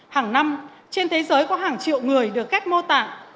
hàng năm trên thế giới có hàng triệu người được ghép mô tạng